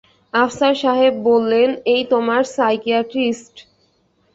আফসার সাহেব বললেন, এই তোমার সাইকিয়াটিস্ট?